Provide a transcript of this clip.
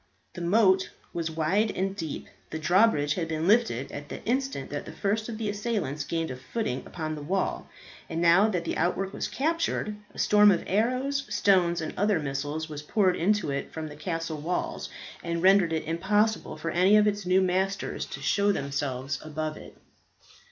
The moat was wide and deep. The drawbridge had been lifted at the instant that the first of the assailants gained a footing upon the wall. And now that the outwork was captured, a storm of arrows, stones, and other missiles was poured into it from the castle walls, and rendered it impossible for any of its new masters, to show themselves above it.